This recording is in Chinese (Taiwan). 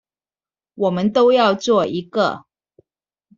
我們都要做一個